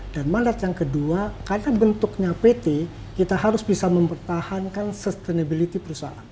dan mandat yang kedua karena bentuknya pt kita harus bisa mempertahankan sustainability perusahaan